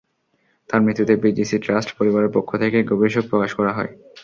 তাঁর মৃত্যুতে BGC trust পরিবারের পক্ষ থেকে গভীর শোক প্রকাশ করা হয়।